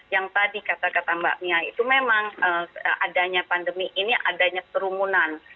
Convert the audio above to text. yang tadi kata kata mbak mia itu memang adanya pandemi ini adanya kerumunan